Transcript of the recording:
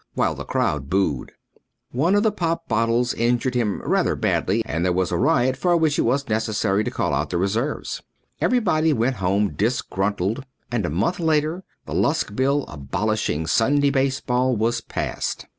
while the crowd booed. One of the pop bottles injured him rather badly and there was a riot for which it was necessary to call out the reserves. Everybody went home disgruntled and a month later the Lusk bill abolishing Sunday baseball was passed.